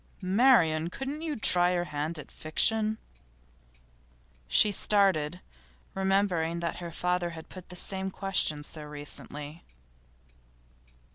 'Marian, couldn't you try your hand at fiction?' She started, remembering that her father had put the same question so recently.